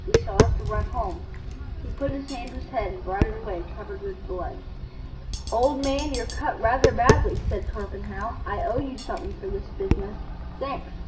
We shall have to run home." He put his hand to his head and brought it away covered with blood. "Old man, you're cut rather badly," said Torpenhow. "I owe you something for this business. Thanks.